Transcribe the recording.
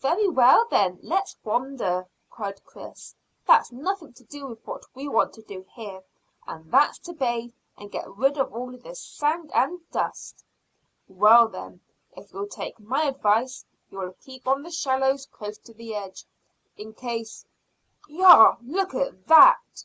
"Very well, then, let's wander," cried Chris. "That's nothing to do with what we want to do here, and that's to bathe and get rid of all this sand and dust." "Well, then, if you'll take my advice you'll keep on the shallows close to the edge, in case Yah! Look at that!"